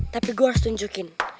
tapi gue harus tunjukin